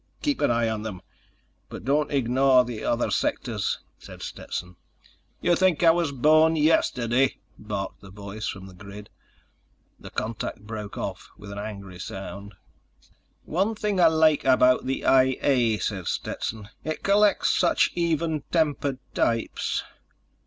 "Keep an eye on them, but don't ignore the other sectors," said Stetson. "You think I was born yesterday?" barked the voice from the grid. The contact broke off with an angry sound. "One thing I like about the I A," said Stetson. "It collects such even tempered types."